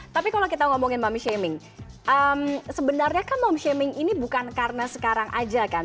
tapi kalau kita ngomongin mom shaming sebenarnya kan mom shaming ini bukan karena sekarang aja kan